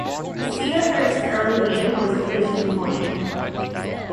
Cedarhurst's early name was Ocean Point.